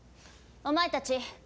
お前たち！